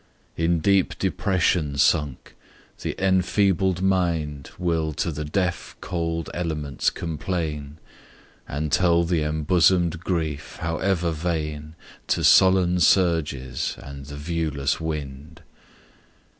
In deep depression sunk, the enfeebled mind Will to the deaf cold elements complain, And tell the embosom'd grief, however vain, To sullen surges and the viewless wind.